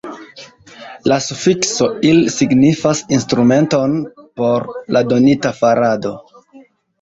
La sufikso « il » signifas instrumenton por la donita farado.